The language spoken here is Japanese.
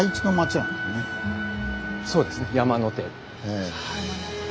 そうですね山の手です。